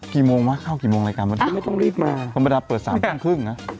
กี่โมงไหมข้าวกี่โมงรายการมันนะโธอประดาษเปิดสามทุ่มครึ่งนะ